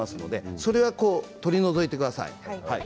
それを取り除いてください。